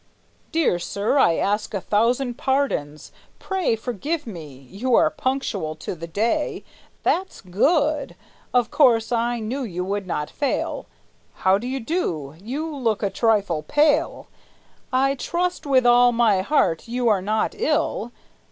"Dear sir, I ask a thousand pardons; pray Forgive me. You are punctual to the day; That's good! Of course I knew you would not fail. How do you do? You look a trifle pale; I trust, with all my heart, you are not ill?